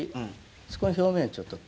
そこの表面をちょっと。